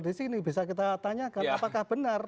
di sini bisa kita tanyakan apakah benar